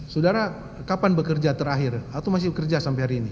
saudara kapan bekerja terakhir atau masih bekerja sampai hari ini